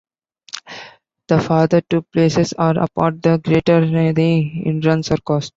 The farther two places are apart, the greater the hindrance, or cost.